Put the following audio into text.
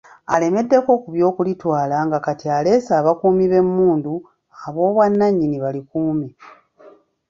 Alemeddeko ku by'okulitwala nga kati aleese abakuumi b'emmundu ab'obwannannyini balikuume.